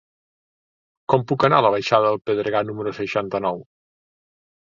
Com puc anar a la baixada del Pedregar número seixanta-nou?